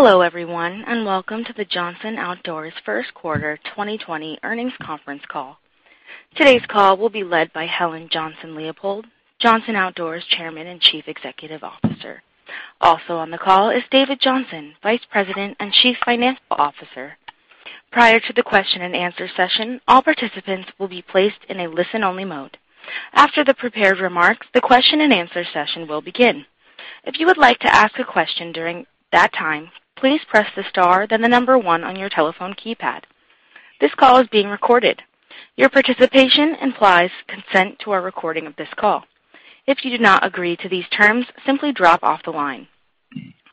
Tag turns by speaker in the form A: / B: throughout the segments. A: Hello, everyone, and welcome to the Johnson Outdoors First Quarter 2020 Earnings Conference Call. Today's call will be led by Helen Johnson-Leipold, Johnson Outdoors Chairman and Chief Executive Officer. Also on the call is David Johnson, Vice President and Chief Financial Officer. Prior to the question-and-answer session, all participants will be placed in a listen-only mode. After the prepared remarks, the question-and-answer session will begin. If you would like to ask a question during that time, please press the star, then the number 1 on your telephone keypad. This call is being recorded. Your participation implies consent to our recording of this call. If you do not agree to these terms, simply drop off the line.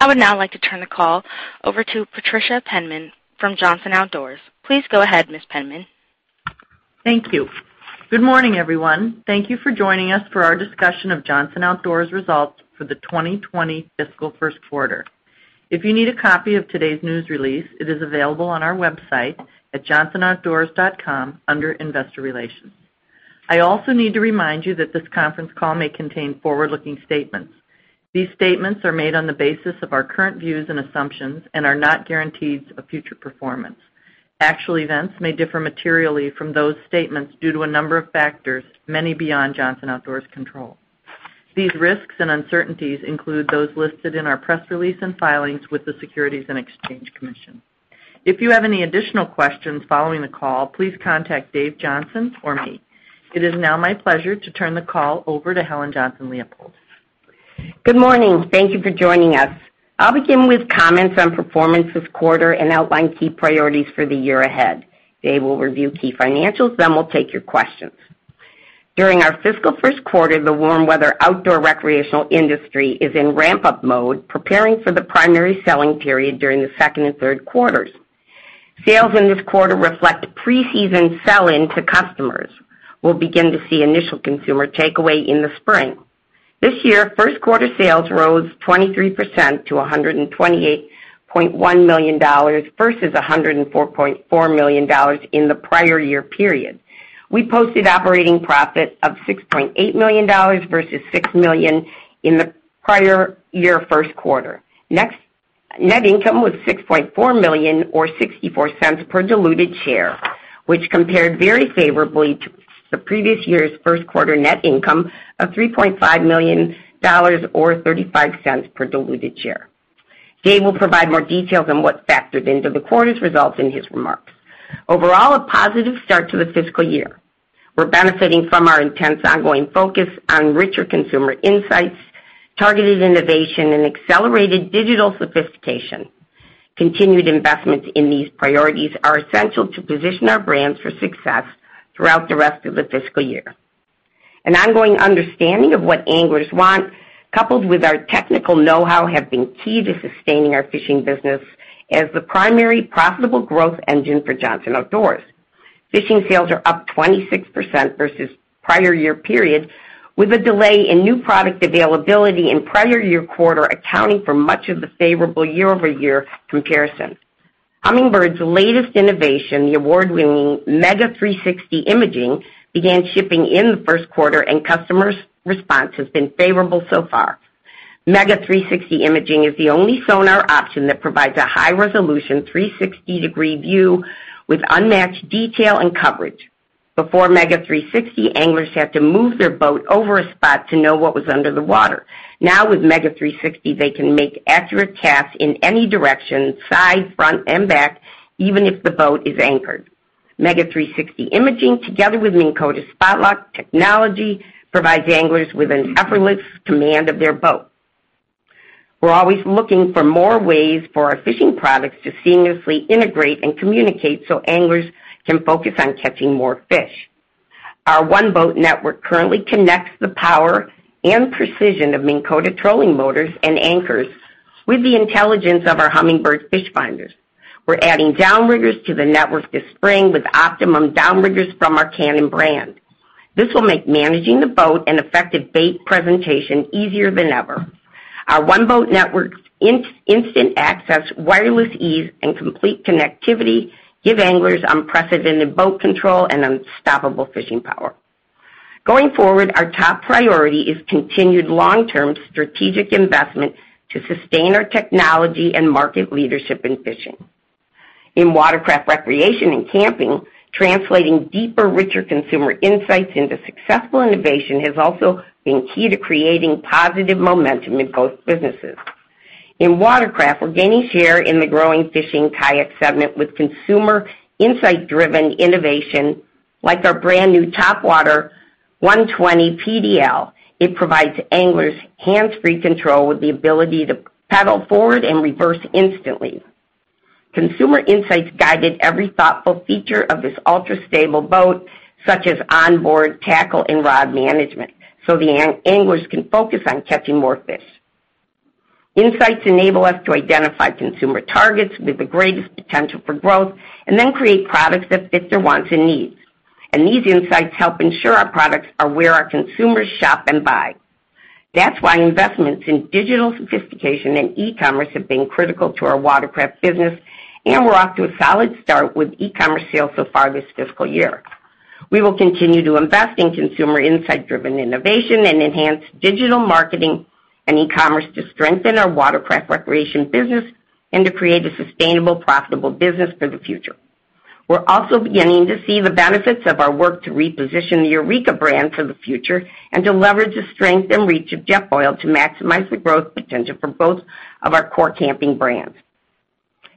A: I would now like to turn the call over to Patricia Penman from Johnson Outdoors. Please go ahead, Ms. Penman.
B: Thank you. Good morning, everyone. Thank you for joining us for our discussion of Johnson Outdoors results for the 2020 fiscal first quarter. If you need a copy of today's news release, it is available on our website at johnsonoutdoors.com under Investor Relations. I also need to remind you that this conference call may contain forward-looking statements. These statements are made on the basis of our current views and assumptions and are not guarantees of future performance. Actual events may differ materially from those statements due to a number of factors, many beyond Johnson Outdoors' control. These risks and uncertainties include those listed in our press release and filings with the Securities and Exchange Commission. If you have any additional questions following the call, please contact Dave Johnson or me. It is now my pleasure to turn the call over to Helen Johnson-Leipold.
C: Good morning. Thank you for joining us. I'll begin with comments on performance this quarter and outline key priorities for the year ahead. Dave will review key financials, then we'll take your questions. During our fiscal first quarter, the warm weather outdoor recreational industry is in ramp-up mode, preparing for the primary selling period during the second and third quarters. Sales in this quarter reflect pre-season sell-in to customers. We'll begin to see initial consumer takeaway in the spring. This year, first quarter sales rose 23% to $128.1 million versus $104.4 million in the prior year period. We posted operating profit of $6.8 million versus $6 million in the prior year first quarter. Next, net income was $6.4 million or $0.64 per diluted share, which compared very favorably to the previous year's first quarter net income of $3.5 million or $0.35 per diluted share. Dave will provide more details on what factored into the quarter's results in his remarks. Overall, a positive start to the fiscal year. We're benefiting from our intense ongoing focus on richer consumer insights, targeted innovation, and accelerated digital sophistication. Continued investments in these priorities are essential to position our brands for success throughout the rest of the fiscal year. An ongoing understanding of what anglers want, coupled with our technical know-how, have been key to sustaining our fishing business as the primary profitable growth engine for Johnson Outdoors. Fishing sales are up 26% versus prior year period, with a delay in new product availability in prior year quarter accounting for much of the favorable year-over-year comparison. Humminbird's latest innovation, the award-winning MEGA 360 Imaging, began shipping in the first quarter and customers' response has been favorable so far. MEGA 360 Imaging is the only sonar option that provides a high-resolution, 360-degree view with unmatched detail and coverage. Before MEGA 360, anglers had to move their boat over a spot to know what was under the water. Now with MEGA 360, they can make accurate casts in any direction, side, front, and back, even if the boat is anchored. MEGA 360 Imaging, together with Minn Kota's Spot-Lock technology, provides anglers with an effortless command of their boat. We're always looking for more ways for our fishing products to seamlessly integrate and communicate so anglers can focus on catching more fish. Our One-Boat Network currently connects the power and precision of Minn Kota trolling motors and anchors with the intelligence of our Humminbird fish finders. We're adding downriggers to the network this spring with Optimum downriggers from our Cannon brand. This will make managing the boat and effective bait presentation easier than ever. Our One-Boat Network's instant access, wireless ease, and complete connectivity give anglers unprecedented boat control and unstoppable fishing power. Going forward, our top priority is continued long-term strategic investment to sustain our technology and market leadership in fishing. In Watercraft Recreation and Camping, translating deeper, richer consumer insights into successful innovation has also been key to creating positive momentum in both businesses. In Watercraft, we're gaining share in the growing fishing kayak segment with consumer insight-driven innovation like our brand-new Topwater 120 PDL. It provides anglers hands-free control with the ability to pedal forward and reverse instantly. Consumer insights guided every thoughtful feature of this ultra-stable boat, such as onboard tackle and rod management, so the anglers can focus on catching more fish. Insights enable us to identify consumer targets with the greatest potential for growth and then create products that fit their wants and needs. These insights help ensure our products are where our consumers shop and buy. That's why investments in digital sophistication and e-commerce have been critical to our Watercraft business, and we're off to a solid start with e-commerce sales so far this fiscal year. We will continue to invest in consumer insight-driven innovation and enhance digital marketing and e-commerce to strengthen our Watercraft recreation business and to create a sustainable, profitable business for the future. We're also beginning to see the benefits of our work to reposition the Eureka brand for the future and to leverage the strength and reach of Jetboil to maximize the growth potential for both of our core camping brands.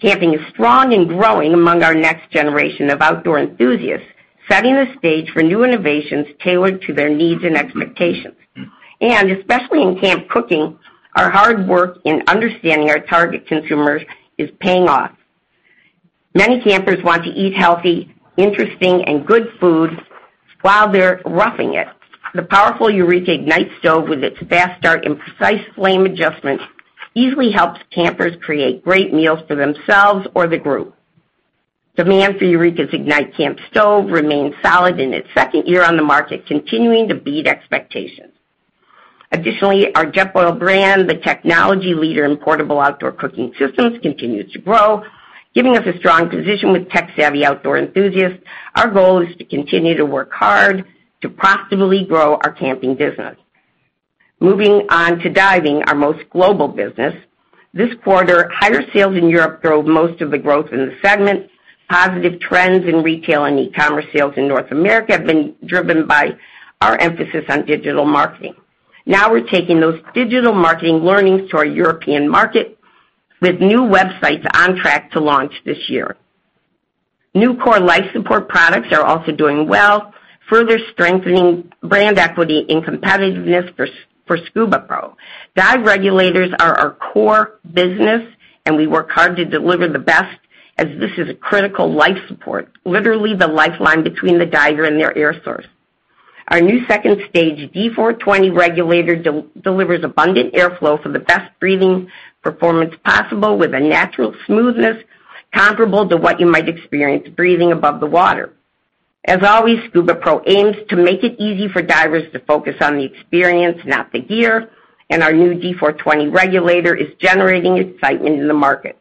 C: Camping is strong and growing among our next generation of outdoor enthusiasts, setting the stage for new innovations tailored to their needs and expectations. Especially in camp cooking, our hard work in understanding our target consumers is paying off. Many campers want to eat healthy, interesting, and good food while they're roughing it. The powerful Eureka Ignite Stove, with its fast start and precise flame adjustment, easily helps campers create great meals for themselves or the group. Demand for Eureka's Ignite Camp Stove remains solid in its second year on the market, continuing to beat expectations. Additionally, our Jetboil brand, the technology leader in portable outdoor cooking systems, continues to grow, giving us a strong position with tech-savvy outdoor enthusiasts. Our goal is to continue to work hard to profitably grow our camping business. Moving on to diving, our most global business. This quarter, higher sales in Europe drove most of the growth in the segment. Positive trends in retail and e-commerce sales in North America have been driven by our emphasis on digital marketing. We're taking those digital marketing learnings to our European market with new websites on track to launch this year. New core life support products are also doing well, further strengthening brand equity and competitiveness for SCUBAPRO. Dive regulators are our core business, and we work hard to deliver the best, as this is a critical life support, literally the lifeline between the diver and their air source. Our new second stage 2 D420 regulator delivers abundant airflow for the best breathing performance possible with a natural smoothness comparable to what you might experience breathing above the water. As always, SCUBAPRO aims to make it easy for divers to focus on the experience, not the gear, and our new D420 regulator is generating excitement in the market.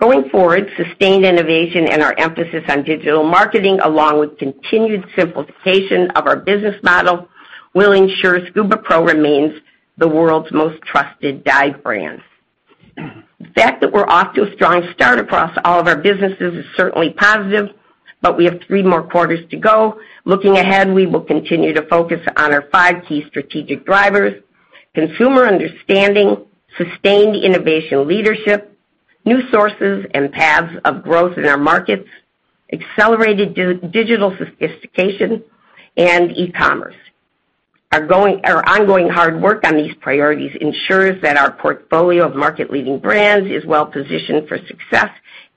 C: Going forward, sustained innovation and our emphasis on digital marketing, along with continued simplification of our business model, will ensure SCUBAPRO remains the world's most trusted dive brand. The fact that we're off to a strong start across all of our businesses is certainly positive, but we have three more quarters to go. Looking ahead, we will continue to focus on our five key strategic drivers: consumer understanding, sustained innovation leadership, new sources and paths of growth in our markets, accelerated digital sophistication, and e-commerce. Our ongoing hard work on these priorities ensures that our portfolio of market-leading brands is well-positioned for success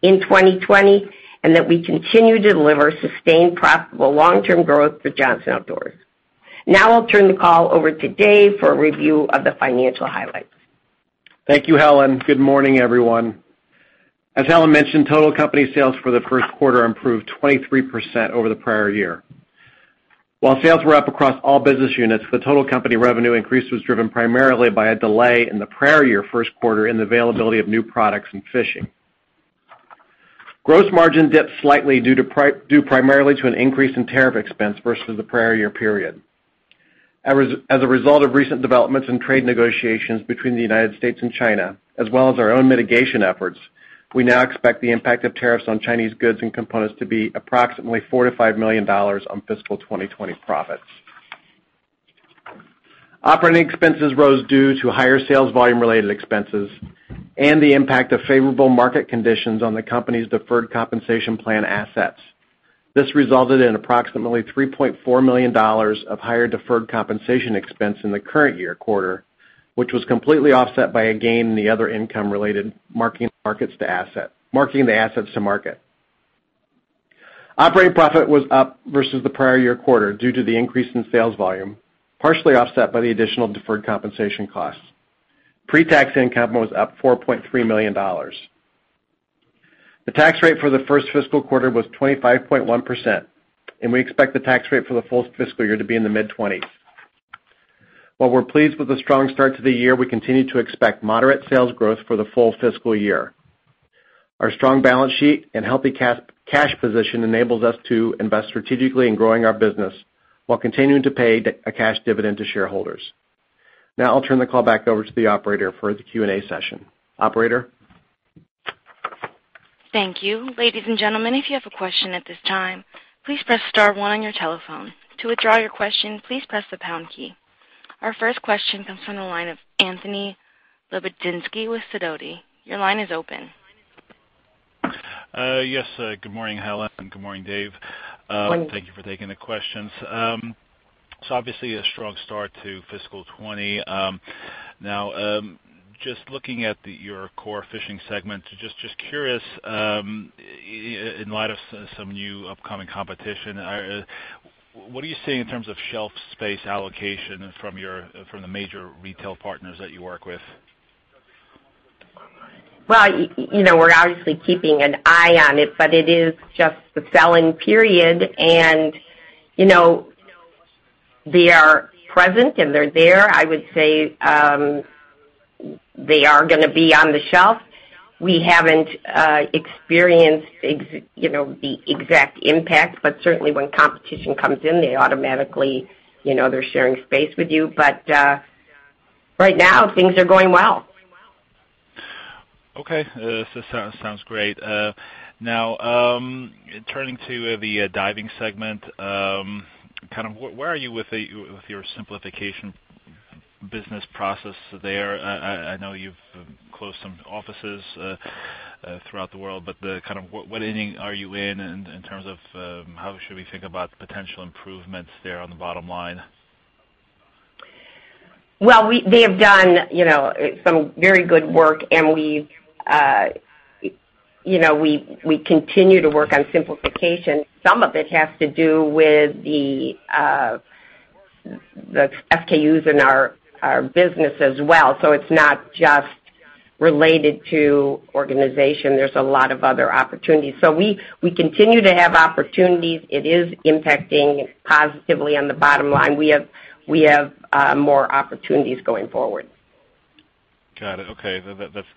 C: in 2020, and that we continue to deliver sustained, profitable long-term growth for Johnson Outdoors. Now I'll turn the call over to Dave for a review of the financial highlights.
D: Thank you, Helen. Good morning, everyone. As Helen mentioned, total company sales for the first quarter improved 23% over the prior year. While sales were up across all business units, the total company revenue increase was driven primarily by a delay in the prior year first quarter in the availability of new products in fishing. Gross margin dipped slightly due primarily to an increase in tariff expense versus the prior year period. As a result of recent developments in trade negotiations between the United States and China, as well as our own mitigation efforts, we now expect the impact of tariffs on Chinese goods and components to be approximately $4 million-$5 million on fiscal 2020 profits. Operating expenses rose due to higher sales volume-related expenses and the impact of favorable market conditions on the company's deferred compensation plan assets. This resulted in approximately $3.4 million of higher deferred compensation expense in the current year quarter, which was completely offset by a gain in the other income-related marking the assets to market. Operating profit was up versus the prior year quarter due to the increase in sales volume, partially offset by the additional deferred compensation costs. Pre-tax income was up $4.3 million. The tax rate for the first fiscal quarter was 25.1%, and we expect the tax rate for the full fiscal year to be in the mid-20s. While we're pleased with the strong start to the year, we continue to expect moderate sales growth for the full fiscal year. Our strong balance sheet and healthy cash position enables us to invest strategically in growing our business while continuing to pay a cash dividend to shareholders. Now I'll turn the call back over to the operator for the Q&A session. Operator?
A: Thank you. Ladies and gentlemen, if you have a question at this time, please press star one on your telephone. To withdraw your question, please press the pound key. Our first question comes from the line of Anthony Lebiedzinski with Sidoti. Your line is open.
E: Yes. Good morning, Helen. Good morning, Dave.
C: Morning.
E: Thank you for taking the questions. Obviously a strong start to fiscal 2020. Just looking at your core fishing segment, just curious in light of some new upcoming competition, what are you seeing in terms of shelf space allocation from the major retail partners that you work with?
C: Well, we're obviously keeping an eye on it, but it is just the selling period. They are present and they're there. I would say they are going to be on the shelf. We haven't experienced the exact impact, but certainly when competition comes in, they're sharing space with you. Right now, things are going well.
E: Okay. Sounds great. Now, turning to the diving segment. Where are you with your simplification business process there? I know you've closed some offices throughout the world, but what inning are you in, and in terms of how should we think about potential improvements there on the bottom line?
C: They have done some very good work, and we continue to work on simplification. Some of it has to do with the SKUs in our business as well. It's not just related to organization. There's a lot of other opportunities. We continue to have opportunities. It is impacting positively on the bottom line. We have more opportunities going forward.
E: Got it. Okay. That's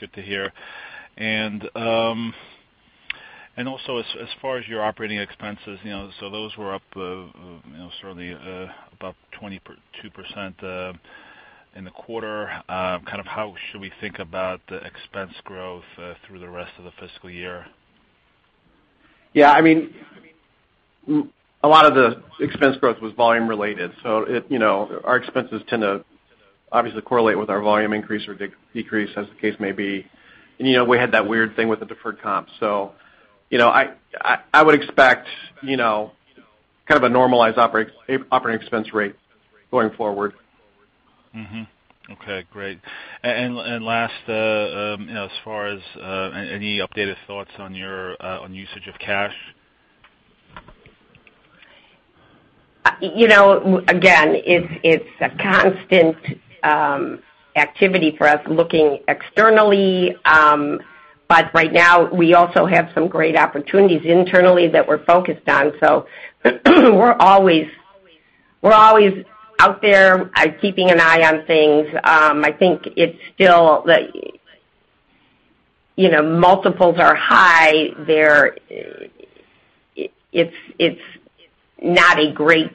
E: good to hear. Also, as far as your operating expenses, those were up certainly about 22% in the quarter. How should we think about the expense growth through the rest of the fiscal year?
D: Yeah. A lot of the expense growth was volume related. Our expenses tend to obviously correlate with our volume increase or decrease as the case may be. We had that weird thing with the deferred comp. I would expect a normalized operating expense rate going forward.
E: Okay, great. Last, as far as any updated thoughts on usage of cash?
C: Again, it's a constant activity for us looking externally. Right now we also have some great opportunities internally that we're focused on. We're always out there keeping an eye on things. I think it's still, multiples are high. It's not a great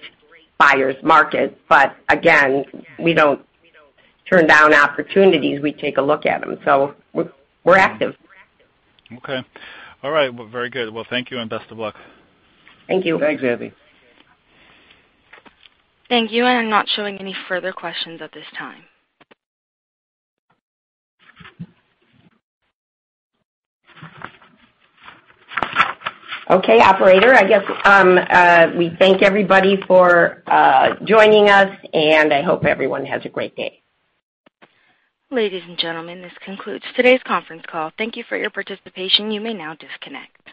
C: buyer's market, but again, we don't turn down opportunities. We take a look at them. We're active.
E: Okay. All right. Well, very good. Well, thank you and best of luck.
C: Thank you.
D: Thanks, Andy.
A: Thank you. I'm not showing any further questions at this time.
C: Okay, operator. I guess we thank everybody for joining us, and I hope everyone has a great day.
A: Ladies and gentlemen, this concludes today's conference call. Thank you for your participation. You may now disconnect.